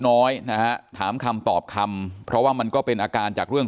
น้อยนะฮะถามคำตอบคำเพราะว่ามันก็เป็นอาการจากเรื่อง